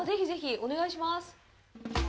お願いします。